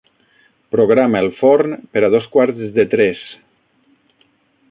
Programa el forn per a dos quarts de tres.